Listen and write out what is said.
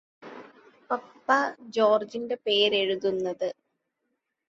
പപ്പാ ജോര്ജിന്റെ പേരെഴുതുന്നത്